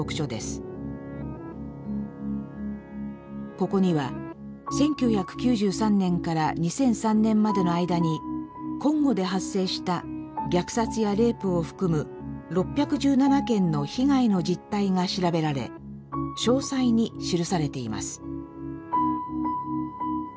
ここには１９９３年から２００３年までの間にコンゴで発生した虐殺やレイプを含む６１７件の被害の実態が調べられ詳細に記されています。